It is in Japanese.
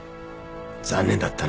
残念だったな。